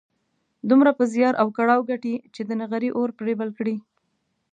دومره په زيار او کړاو ګټي چې د نغري اور پرې بل کړي.